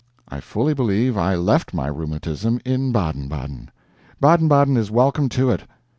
I fully believe I left my rheumatism in Baden Baden. Baden Baden is welcome to it.